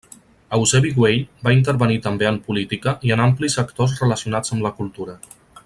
Eusebi Güell va intervenir també en política i en amplis sectors relacionats amb la cultura.